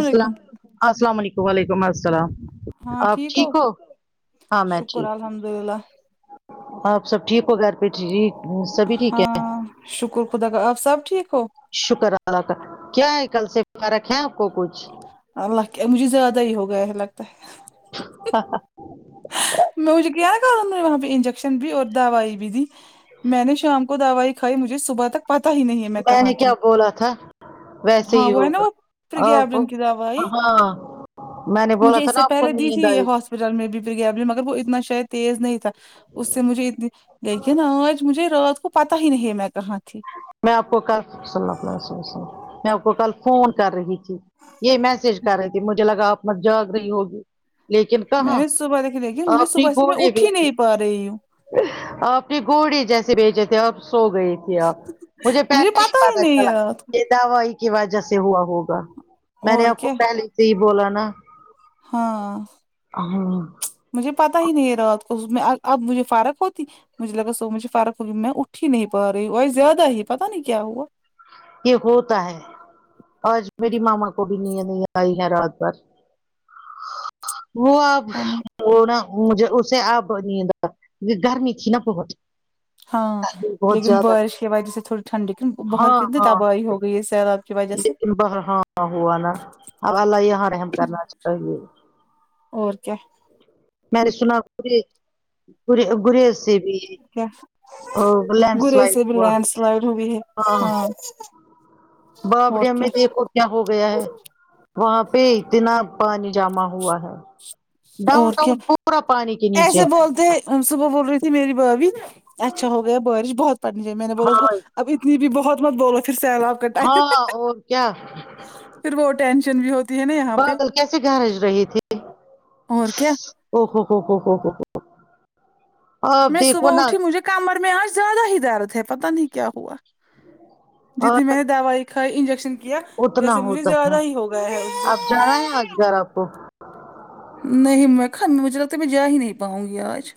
السلام السلام علیکم و علیکم اس السلام آپ ٹھیک ہو ہاں میں شکر ٹھیک الحمد للہ ہوں آپ سب ٹھیک ہو گھر پہ سبھی ٹھیک ہے ہاں شکر خدا آپ سب ٹھیک ہو شکر اللہ کا کیا ہے کل سے پھرک ہے آپ کو کچھ اں لگ مجھے زیادہ ہی ہو گیا ہے لگتا ہے ہاں ہاں میں مجھے کیا کام ہے وہاں پہ انجیکشن بھی اور دوائی بھی دی میں نے شام کو دوائی کائی مجھے صبح تک پت ہی نہیں ہے میں کہاں نے کیا تھی بولا تھا ویسے ہاں ہی وہ ہے نا ہوگا وہ آپ کو پرگپن کی دوائی ہاں میں نے بولا مجھے تھا اس سے نا آپ کو پہلے دی تھی نیند یہ آئی ہاسپٹل میں بھی پرگپن مگر وہ اتنا شاید تیز نہیں تھا اس سے مجھے اتنی لیکن آج مجھے رات کو پتا ہی نہیں ہے میں کہاں تھی میں آپ کو کل صلی اللہ میں آپ کو کل فون کر رہی تھی ج یہی میسج کر رہی تھی مجھے لگا آپ مت جاگ رہی ہوگی لیکن میں کہاں نے صبح دیکھی لیکن آپ مجھے صبح سے میں اٹھ ہی نہیں پا رہی ہوں [unintelligible] آپ نے گوڑی جیسے بھیجے تھے اب سو گئی تھی اب مجھے پہلے ہی پتا بات اچھا نہیں ہے لگ رات کو دوائی کی وجہ سے ہوا ہوگا میں نے اور آپ کو کیا پہلے سے ہی بولا نا ہاں ہمم مجھے پتا ہی نہیں ہے رات کو میں اب مجھے فرق ہوتی مجھے لگا سو مجھے فرق ہوگی میں اٹھ ہی نہیں پا رہی ہوں زیادہ ہی پتا نہیں کیا ہوا یہ ہوتا ہے آج میری ماما کو بھی نیند نہیں آئی ہے رات بھر وہ آپ پتا نہیں، وہ نا مجھے اسے اب [unintelligible] ہاں گرمی بہت لیکن زیادہ بارش کی وجہ سے تھوڑی ٹھنڈی کی باہر ہاں کتنی ہاں تباہی ہو گئی ہے سیلاب کی وجہ سے لیکن ب ہاں ہوا نا اور اللہ یہاں رحم کرنا چاہیے اور کیا میں نے سنا گری گریز بھی کیا اور لینڈ برے سلائڈ سے بھی ہوا لینڈ سلائڈ ہو بھی ہے ہاں باپ اور کیا یمیں دیکھو کیا ہو گیا ہے وہاں پہ اتنا پانی جما ہوا ہے ڈاؤن اور ٹاؤن پورا پانی کے نیچے ہم صبح بول رہی تھی میری بھابھی اچھا ہو گیا بارش بہت پڑنی چاہی میں نے بولا اس کو ہاں اب اتنی بھی بہت مت بولو پھر سیلاب کا ٹائم ہاں اور کیا پھر وہ ٹینشن بھی ہوتی ہے نا یہاں پہ بادل کیسے گھرج رہی تھی اور کیا ا ہوہو ہو ہو ہو آپ میں دیکھو صبح نا اٹھی مجھے کمر میں آج زیادہ ہی درد ہے پتاہ نہیں کیا ہوا اور جتنی میں نے دوائی کھائی انجیکشن کیا جیسے مجھے زیادہ ہی ہو گیا ہے اس سے آئے آج گھر آپ کو نہیں میں کھن مجھے لگتا ہے میں جا ہی نہیں پاؤں گی آج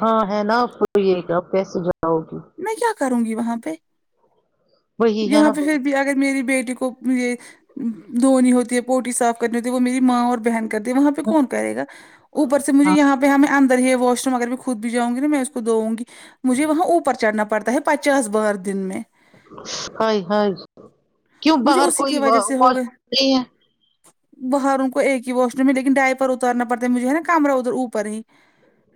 ہاں ہے نا آپ کو یہ آپ کیسے جاؤگی میں کیا کروں گی وہاں پہ وہی ہے یہاں نا پہ فر بات۔ بھی اگر میری بیٹی کو یہ دھونی ہوتی ہے بوٹی صاف کرنی ہوتی ہے وہ میری ماں اور بہن کرتی ہے وہاں پہ کون کرے گا اوپر سے مجھے ہاں یہاں پہ ہم ان در یہ واش روم اگر میں خود بھی جاؤ ں گی نہ میں اس کو دووں گی مجھے وہاں اوپ ر چڑھنا پڑتا ہے پچاس بار دن میں ہائے ہائے کیوں مجھے باہر اسی کوئی کی وجہ سے ہو واش گئے روم نہیں ہے باہر ان کو ایک ہی وا ش روم ہے لیکن ڈائی پر اتا رنا پڑتا ہے مجھے ہے نا کمرا ادھر اوپر ہں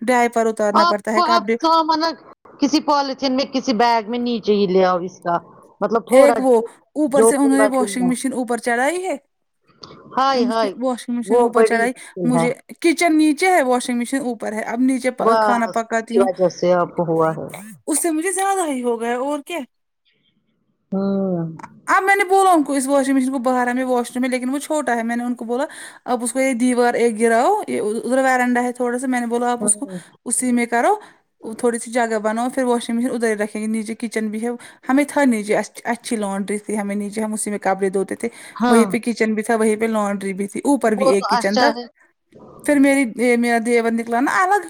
ڈائی پرات آپ خ آپ [unintelligible] کسی پالیتھین میں کسی بیگ میں نیچے ہی لے آؤ اس کا مطلب تھوڑا ایک وہ اوپر جو سے انہوں نے پورا دن واشنگ ہے مشین اوپر چڑھائی ہے ہائے ان سے ہائے واشنگ مشین وہ اوپر بڑی چڑھائی مشکل ہے مجھے کچن نیچے ہے واشنگ مشین او پر ہے اب نیچے کھانا بس اس پکاتی کی ہوں وجہ سے آپ کو ہوا ہے اس سے مجھے زیادہ ہی ہوگیا ہے اور کیا ہاں اب میں نے بولا ان کو اس واشنگ مشین کو باہرا ہمیں واش روم میں لیکن وہ چھوٹا ہے میں نے ان کو بولا اب اس کو یہ دیوار ایک گراؤ یہ ادھر ویرنڈا ہے تھوڑا سا میں نے بولا آپ اس کو ہوں اسی میں کرو وہ تھوڑی سی جگہ بناؤ فر واشنگ مشین ادھرہی رکھیں گےنیچے کچن بھی ہے ہمیں تھا نی اچھی لانڈری تھی ہمیں نیچے ہم اسی میں کپڑے دھو تے تھے وہیں ہاں پہ ک چن بھی تھا وہی پہ لانڈری بھی تھی اوپر بھی وہ ایک تو کچن اچھا تھا ہے فر میری میرا دیور نکلا نا الگ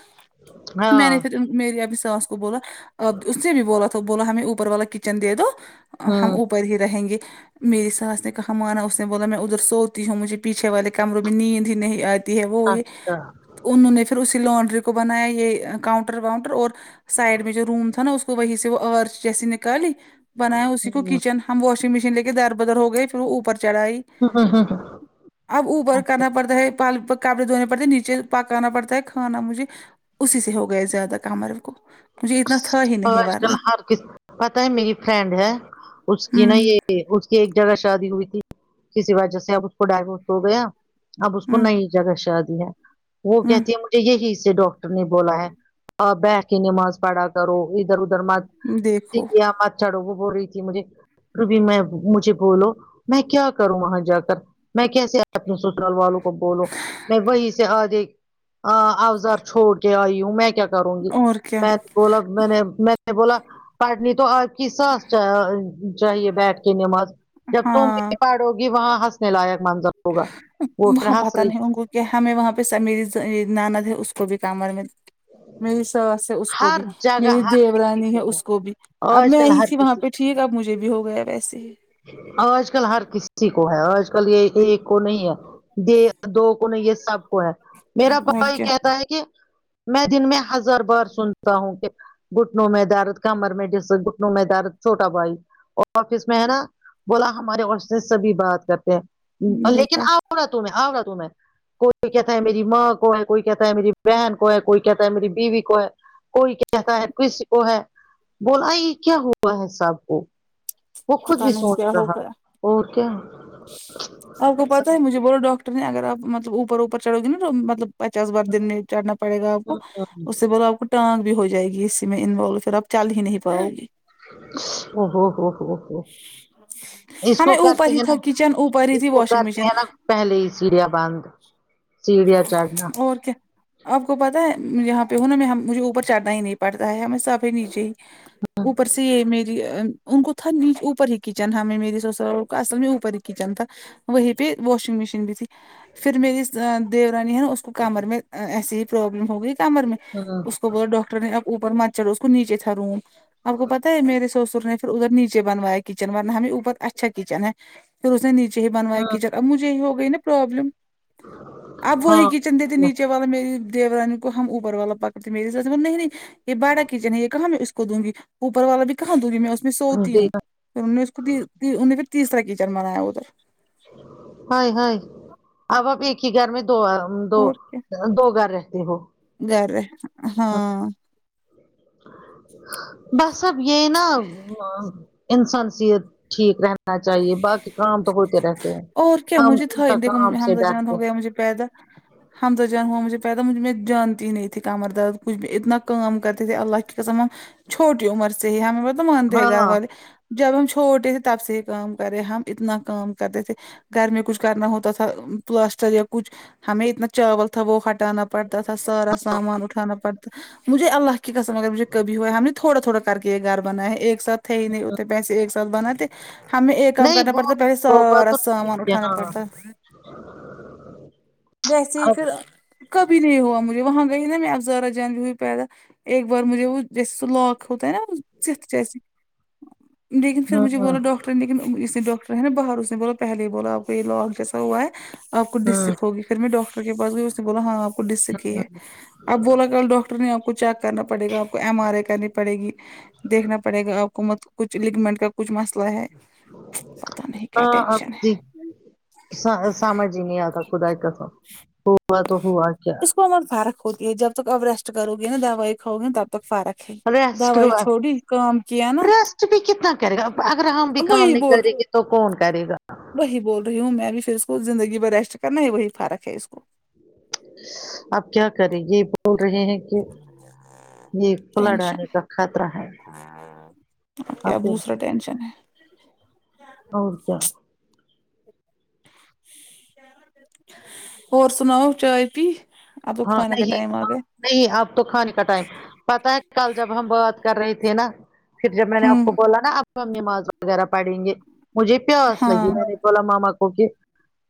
میں نے ہاں پھر میری ابھی ساس بولا اب اس نے بھی بولا تو بولا ہمیں اوپر والا کچن دے دو ہم ہوں اوپ اوپر ہی رہیں گے میری ساس نے کہا مانا اس نے بولا میں ادھر سوتی ہوں مجھے پیچھے والے کمروں میں نیند ہی نہیں آ تی ہے وہ یہ اچھا انہوں نے پھر اسی لانڈری کو بنایا یہ کاؤنٹر وانٹر اور سائڈ میں جو روم تھا نا اس کو وہی سے وہ ا رچ جیسی نکالی بنایا اسی کو ہوں کچن ہم واشنگ مشین لے کے در بدر ہو گئے پھر وہ اوپر چڑھا ئی اب اوپر کرنا پڑتا ہے پال پ کبڑے دھونے پڑتے ہیں نیچے پکانا پڑتا ہے کھانا مجھے اسی سے ہو گیا زیادہ کام میرے کو مجھے اتنا تھا ہی نہیں آج ورنہ کل ہر کس پتہ ہے میری فرینڈ ہے اس کی نا ہمم یے اس کی ایک جگہ شادی ہوئی تھی کسی وجہ سے اب اس کو ڈائیورس ہو گیا اب اس کو ہمم نئی جگہ شادی ہے وہ کہتی ہمم ہے مجھے یہی سے ڈاکٹر نے بولا ہے آ بیٹھ کے نما ز پڑھا کرو ادھر ادھر مت دیکھو سیڑھیاں مت چڑھو وہ بول رہی تھی مجھے روبی میں مجھے بولو میں کیا کروں وہاں جا کر میں کیسے اپنے سسرال والوں کو بولوں میں وہی سے اگئی ہاں اوزار چھوڑ کے آئی ہوں میں کیا کروں گی اور کیا میں نے بولا میں نے میں نے بولا پڑھنی تو آج کی ساس چاآ چاہیے بیٹھ کے نماز جب تو ہاں ہوگی وہاں ہنسنے لائق منظر ہوگا وہ پھر ہنس رہی کہ ہمیں وہاں پے سا میری نند ہے اس کو بھی کمر میں میری ساس ہے اس کو ہر بھی جگہ میری ہر دیو کسی رانی ہے اس کو بھی اب آج میں کل ہی ہر تھی وہاں کسی پے ٹھیک اب مجھے بھی ہو گیا ویسے ہی آج کل ہر کسی کو ہے آج کل یے ایک کو نہیں ہے دے دو کو نہیں یے سب کو ہے میرا اور بائی کیا کہتا ہے کہ میں دن میں ہزار بار سنتا ہوں کہ گھٹنوں میں دارد کمر میں جس گھٹنوں میں دارد چھوٹا بھائی اور آفس میں ہے نا بولا ہمارے عور سے سبھی بات کرتے ہیں لیکن دیکھا آ رہا [unintelligible] کوئی کہتا ہے میری ماں کو ہے کوئی کہتا ہے میری بہن کو ہے کوئی کہتا ہے میری بیوی کو ہے کوئی کہتا ہے کسی کو ہے بولا یے کیا ہوا ہے سب کو وہ خود پتہ بھی نہیں سوچ کیا ہو رہا گیا اور کیا آپ کو پتہ ہے مجھے بولو ڈاکٹر نے اگرپ مطلب اوپر اوپر چڑھ گی نا تو مطلب پچاس بار دن میں چڑھنا پڑے گا آپ کو او اس سے بول آپ کو ٹانگ بھی ہو جائے گی اسی میں انوولوے پھر آپ چل ہی نہیں پاؤ گی او ہو ہو ہو ہو اس کو ہمیں کرتے اوپر ہی ہیں تھا نا کچن اوپر ہی اس تھی کو واشنگ کرتے ہیں مشین نا پہلے ہی سیڑیا بند سیڑھیاں چڑھنا اور کیا آپ کو پتہ ہے یہاں پے ہوں نا میں مجھے اوپر چڑھنا ہی نہیں پڑتا ہے ہمیں سبھی نیچے ہی اوپر سے میری ان کو تھا نی اوپر ہی کچن تھا ہم میرے سوسرال کا اصل میں اوپر ہی کچن تھا وہیں پے واشنگ مشین بھی تھی پھر میری دیورانی ہے نا اس کو کمر میں ایسی ہی پروابلم ہو گئی کمر میں ہاں اس کو بولا ڈاکٹر نے اب اوپر مت چلو اس کو نیچے تھا روم آپ کو پتہ ہے میرے سسر نے پھر ادھر نیچے نیچے بنویا کچن ورنہ ہمیں اوپر اچھا کچن ہے پھر اس نے نیچے ہی بنایا ہاں کچن اب مجھے یے ہو گئی نا پروابلم اب وہی ہاں کی چن دیتے نیچے والا میری دیورانی کو ہم اوپر والا پکڑتے میرے ساس نے بولا نہیں یے بڑا کچن ہے یے کہاں میں اس کو دوں گی اوپر والا بھی کہاں دوں گی میں اس میں سوتی جی ہوں پھر ان نے تی تی انہوں نے پھر تیسرا کیچڑ بنایا ادھر ہائے ہائے اب اب ایک ہی گھر میں دو دو اور کیا دو گھر رہتے ہو گھر رہیں بس اب یے نا انسان صحت ٹھیک رہنا نا چاہیے باقی کام تو ہوتے رہتے ہیں اور کیا ہم مجھے ان تھا کا دیکھو کام سے ڈرتے مجھے پیدا حمد جان ہوا مجھے پیدا مجھے میں جانتی نہیں تھی کمر درد کچھ اتنا کام کرتے تھے اللہ کی قسم چھوٹی عمر سے ہی ہمیں تو مانتے ہیں گھر ہاں والے جب ہم چھوٹے تھے تب سے ہی کام کرے ہم اتنا کام کرتے تھے گھر میں کچھ کرنا ہوتا تھا پلاسٹر یا کچھ ہمیں اتنا چاول تھا وہ ہٹ ہٹھانا پڑتا تھا سارا سامان اٹھانا پڑتا مجھے اللہ کی قسم اگر مجھے کبھی ہوا ہے ہم نے تھوڑا تھوڑا کر کے یہ گھر بنا ہے ایک ساتھ تھے ہی نہیں پیسے ایک ساتھ بنا تے ہمیں ایک کام نہیں کرنا وہ پڑتا پہلے وہ بات سارا تو ٹھیک سامان ہے اٹھانا ہاں پڑتا ویسے ہی اب پھر کبھی نہیں ہوا مجھے وہاں گئی نا میں افزارا جان بھی ہوئی پیدا ایک بار مجھے وہ جیسے س لاک ہوتا ہے نا چت جیسے لیکن پھر ہاں مجھے بولا ڈاکٹر لیکن اس نے ڈاکٹر ہیں نا باہر اس نے بولا پہلے ہی بولا آپ کو یہ لاک جسا ہوا ہے آپ کو ہاں ڈسک ہوگی پھر میں ڈاکٹر کے پاس گئی اس نے بولا ہاں آپ کو ڈسک ہی ہے اب بولا کل ڈاکٹر نے آپ کو چیک کرنا پڑے گا آپ کو ایم آر آے کرنی پڑے گی دیکھنا پڑے گا آپ کو مت کچھ لگمنٹ کا کچھ مسئلہ ہے پتہ نہیں ہ کیا اب ٹینشن ہے دیکھ سا سامجھ ہی نہیں آتا خدا کی قسم ہوا تو ہوا کیا اس کو ہمر فرق ہوتی ہے جب تک اب ریسٹ کرو گے نا دوائی کھاؤ گی نا تب تک فرق ریسٹ دوائی چھوڑی کام کیا نا کوئی بھی کتنا کرے گا اگر ہم بھی کام وہی نہیں بول کریں گے تو کون کرے گا وہی بول رہی ہوں میں بھی پھر اس کو زندگی بھر ریسٹ کرنا ہے وہی فرق ہے اس کو اب کیا کریں گی بول رہے ہیں کہ یہ فلڈ آنے کا خطرہ ہے اب کیا دوسرا ٹینشن ہے اور کیا اور سناؤ چائے پی اب تو ہاں کھانے کا نہیں ٹائم آ گیا نہیں اب تو کھانے کا ٹائم پتا ہے کل جب ہم بات کر رہے تھے نا پھر جب میں نے آپ ہوں کو بولا نا اب ہم نماز وغیرہ پڑیں گے مجھے پیاس لگی ہاں بولا ماما کو کہ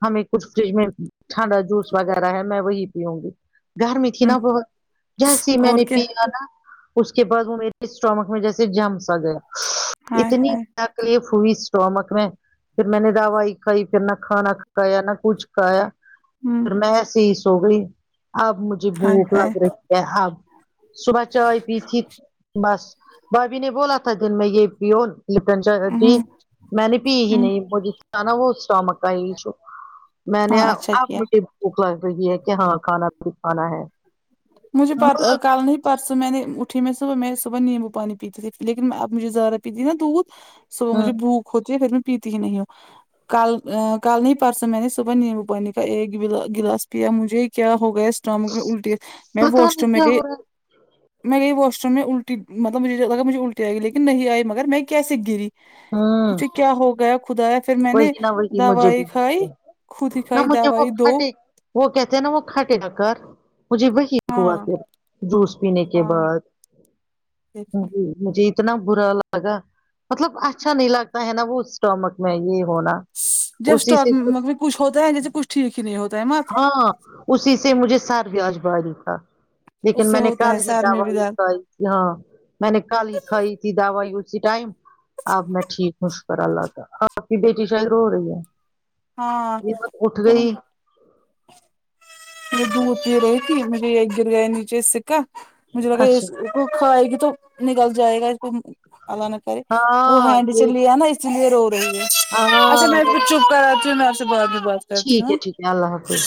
ہمیں کچھ فریج میں ٹھنڈا جوس وغیرہ ہے میں وہی پیوں گی گرمی تھی نا ہوں بہت جیسی میں اور نے کیا پیا نا اس کے بعد وہ میرے اسٹامک میں جیسے جم سا گیا ہائے اتنی ہائے تکلیف ہوی اسٹامک میں پھر میں نے دوائی کھائی پھر نہ کھانا کھایا نہ کچھ کھایا ہوں پھر میں ایسے ہی سو گئی اب مجھے ہائے بھوک ہائے لگ رہی ہے اب صبح چائے پی تھی بس بھابھی نے بولا تھا دن میں یہ پیو ن جی ہوں میں نے بھی یہی ہوں نہیں مجھ نا وہ اسٹامک کا یہی [unintelligible] میں نے ہاں اچھا اب کیا مجھے بھوک لگ رہی ہے کہ ہاں کھانا بھی کھانا ہے مجھے پات کل نہیں پرسوں میں نے اٹھی میں صبح میں صبح نیمبو پانی پیتی تھی لیکن اب مجھے زارہ پی تھی نا دودھ صبح مجھے بھوک ہوتی ہے پھر میں پیتی ہی نہیں ہوں کل کل نہیں پرسوں میں نے صبح نیمبو پانی کا ایک ایک گلاس پیا مجھے کیا ہو گیا شام میں بھی الٹی کے میں پتا واش نہیں روم میں کیا گے ہو رہا میں گئی واش رومم میں الٹی مطلب مجھے لگا مجھے الٹی آئی لیکن نہیں آئی مگر میں کیسے گری ہے گی پھر کیا ہو گیا خدایا پھر میں نے وہی نہ وہی مجھے بھی دوائی کھائی ہو خو د نہ کھائی مجھے د وہ وائی دو کھٹے وہ کہتے ہیں نا وہ کھٹےڈا کر مجھے وہی ہوا ہاں کہ جوس پینے کے ہاں بعد دیکھا مجھے اتنا برا لگا مطلب اچھ اچھا نہیں لگتا ہے نا وہ اسٹامک میں یہ ہونا جب اسی اسٹاک سے مطلب کچھ ہوتا ہے جیسے کچھ ٹھیک ہی نہیں ہوتا ہے ماں آپ ہاں اسی سے مجھے سر بیاج بھاری تھا اس لیکن سے میں نے ہوتا ہے کل ہی سر میں بھی دوائی درد کائی ہاں میں نے کل ہی کھائی تھی دوائی اسی ٹائم اب میں ٹھیک ہوں شکر اللہ کا آپ کی بیٹی شاید ر ہو رہی ہے ہاں یہ اٹھتے چلو رہی یے دودھ پی رہی تھی مجھے یہ گر گیا نیچے سکا مجھے لگا اس اچھا کو کھائے گی تو نکل جائے گا اس کو اللہ نے کری وہ ہاں ہیبس چ یہ لیا نا چلی رو رہی ہے اچھا ہاں میں تو پھر چپ کر رہتیی ہوں میں آپ سے بعد میں بات کرتی ٹھیک ہوں ہے ٹھیک ہے اللہ حافظ